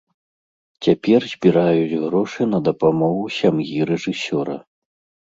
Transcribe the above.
Цяпер збіраюць грошы на дапамогу сям'і рэжысёра.